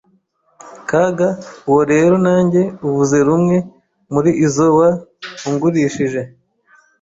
Kaga: Uwo rero nange uvuze rumwe muri izo wa ungurishije